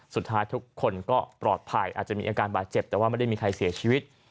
สุดท้ายทุกคนก็ปลอดภัยอาจจะมีอาการบาดเจ็บแต่ว่าไม่ได้มีใครเสียชีวิต